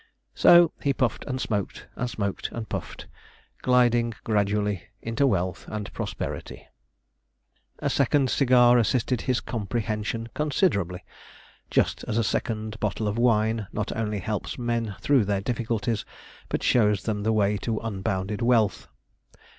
So he puffed and smoked, and smoked and puffed gliding gradually into wealth and prosperity. [Illustration: MR. SPONGE AS HE APPEARED IN THE BEST BEDROOM] A second cigar assisted his comprehension considerably just as a second bottle of wine not only helps men through their difficulties, but shows them the way to unbounded wealth.